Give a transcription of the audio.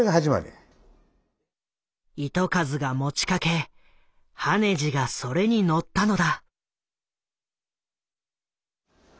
糸数が持ちかけ羽地がそれに乗ったのだ。